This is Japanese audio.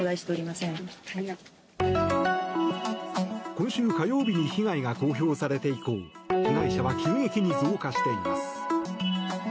今週火曜日に被害が公表されて以降被害者は急激に増加しています。